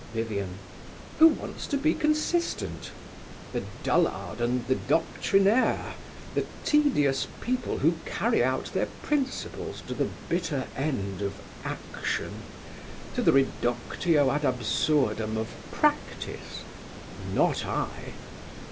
VIVIAN. Who wants to be consistent? The dullard and the doctrinaire, the tedious people who carry out their principles to the bitter end of action, to the reductio ad absurdum of practice. Not I.